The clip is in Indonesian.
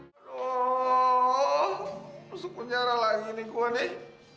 aduh masuk penjara lagi nih gue nih